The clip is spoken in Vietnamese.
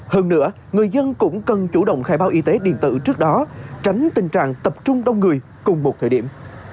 hơn nữa người dân cũng cần chủ động khai báo y tế điện tử trước đó tránh tình trạng tập trung đông người cùng một thời điểm